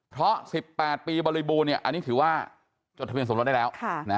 เพราะ๑๘ปีบริบูรณ์อันนี้ถือว่าจดทะเบียนสมรสได้แล้ว